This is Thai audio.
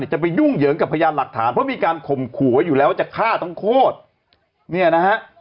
จะไปยุ่งเหยิงกับพยานหลักฐานเพราะมีการคมขู่ไว้อยู่แล้วอย่าจะฆ่าต้องโคตร